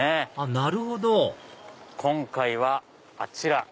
なるほど今回はあちら。